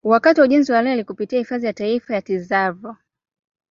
Wakati wa ujenzi wa reli kupitia Hifadhi ya Taifa ya Tsavo